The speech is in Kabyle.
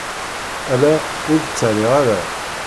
Ala, ur d-ttarriɣ ara.